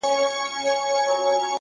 نور خپلي ويني ته شعرونه ليكو!!